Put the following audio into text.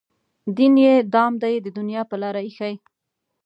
دین یې دام دی د دنیا په لاره ایښی.